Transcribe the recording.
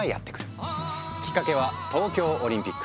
きっかけは東京オリンピック。